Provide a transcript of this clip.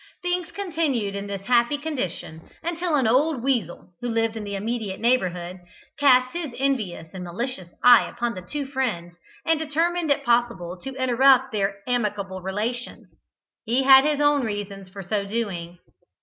Things continued in this happy condition until an old weasel, who lived in the immediate neighbourhood, cast his envious and malicious eye upon the two friends and determined it possible to interrupt their amicable relations. He had his own reasons for so doing.